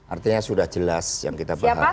artinya sudah jelas yang kita bahas